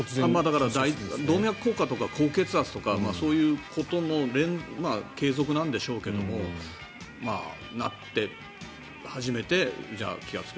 だから動脈硬化とか高血圧とかそういうことの継続なんでしょうけどもなって初めて気がつく。